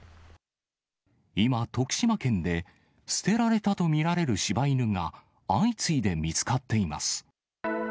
今、徳島県で捨てられたと見られるしば犬が、相次いで見つかっています。